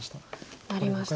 入りました。